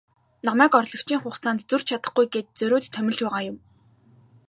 Намайг орлогчийн хугацаанд зөрж чадахгүй гээд зориуд томилж байгаа юм.